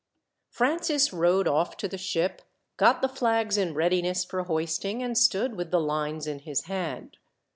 Francis rowed off to the ship, got the flags in readiness for hoisting, and stood with the lines in his hand.